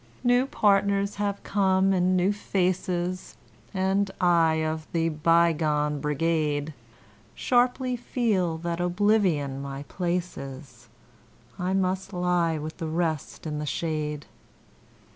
New partners have come and new faces, And I, of the bygone brigade, Sharply feel that oblivion my place is I must lie with the rest in the shade.